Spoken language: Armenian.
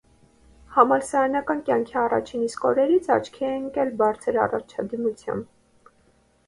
Համալսարանական կյանքի առաջին իսկ օրերից աչքի է ընկնել բարձր առաջադիմությամբ։